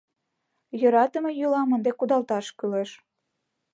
Йӧратыме йӱлам ынде кудалташ кӱлеш.